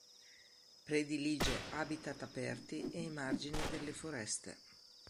Predilige habitat aperti e i margini delle foreste.